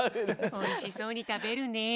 おいしそうに食べるねえ。